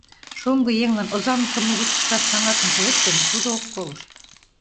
Шоҥго еҥлан озанлыкым угыч ышташ каҥашым пуэт гын, тудо ок колышт.